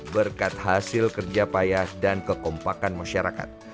berkat hasil kerja payah dan kekompakan masyarakat